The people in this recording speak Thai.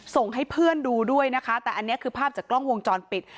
ส่งให้เพื่อนดูด้วยนะคะแต่อันนี้คือภาพจากกล้องวงจรปิด